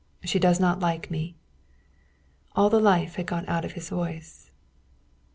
She does not like me." All the life had gone out of his voice.